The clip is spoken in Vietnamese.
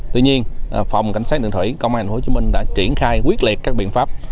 tuy nhiên phòng cảnh sát điện thủy công an hồ chí minh đã triển khai quyết liệt các biện pháp